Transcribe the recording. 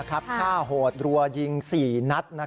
ฆ่าโหดรัวยิง๔นัด